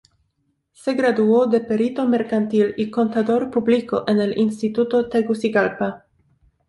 Se graduó de Perito Mercantil y Contador Público en el Instituto Tegucigalpa.